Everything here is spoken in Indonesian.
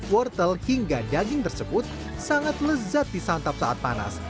wortel hingga daging tersebut sangat lezat disantap saat panas